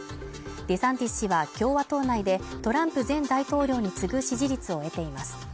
デサンティス氏は共和党内でトランプ前大統領に次ぐ支持率を得ています。